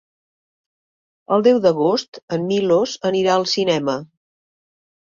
El deu d'agost en Milos anirà al cinema.